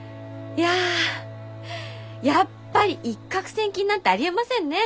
いややっぱり一獲千金なんてありえませんね！